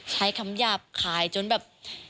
ใช้คำหยาบขายจนแบบ